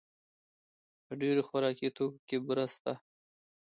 په ډېر خوراکي توکو کې بوره شته.